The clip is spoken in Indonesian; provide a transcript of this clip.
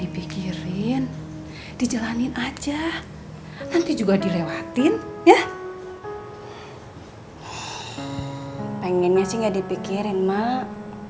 pengennya sih gak dipikirin mak